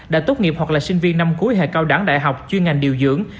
đã tốt nghiệp hoặc là sinh viên năm cuối hệ cao đẳng đại học chuyên ngành điều dưỡng